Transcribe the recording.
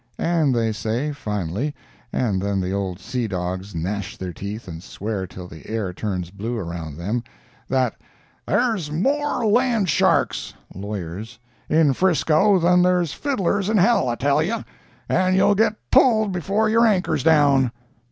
And they say, finally (and then the old sea dogs gnash their teeth and swear till the air turns blue around them), that "there's more land sharks (lawyers) in 'Frisco than there's fiddlers in hell, I tell you; and you'll get 'pulled' before your anchor's down!"